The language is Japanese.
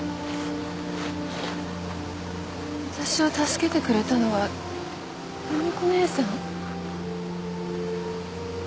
私を助けてくれたのは夕美子姉さん？